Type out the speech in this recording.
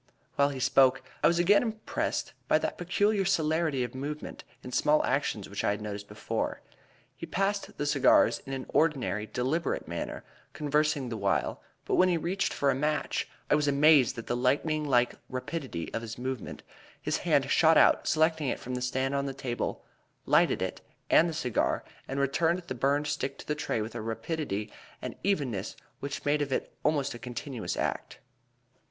While he spoke, I was again impressed with that peculiar celerity of movement in small actions which I had noticed before. He passed the cigars in an ordinary, deliberate manner, conversing the while; but when he reached for a match, I was amazed at the lightning like rapidity of the movement. His hand shot out, selected it from the stand on the table, lighted it and the cigar, and returned the burned stick to the tray with a rapidity and evenness which made of it almost a continuous act.